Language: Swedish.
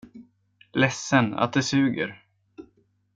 Ledsen, att det suger.